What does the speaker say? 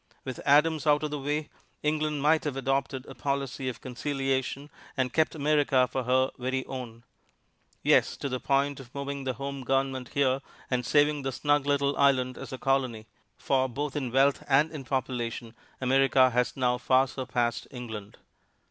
With Adams out of the way, England might have adopted a policy of conciliation and kept America for her very own yes, to the point of moving the home government here and saving the snug little island as a colony, for both in wealth and in population America has now far surpassed England.